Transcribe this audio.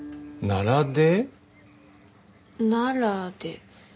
「ならで」。